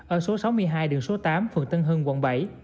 ở số sáu mươi hai đường số tám phường tân hưng quận bảy